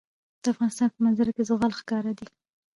د افغانستان په منظره کې زغال ښکاره ده.